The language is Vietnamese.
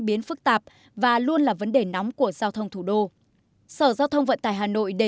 biến phức tạp và luôn là vấn đề nóng của giao thông thủ đô sở giao thông vận tải hà nội đề